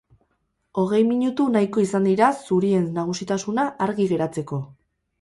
Hogei minutu nahiko izan dira zurien nagusitasuna argi geratzeko.